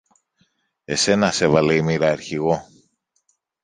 Εσένα σ' έβαλε η μοίρα αρχηγό.